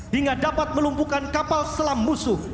hingga dapat melumpuhkan kapal selam musuh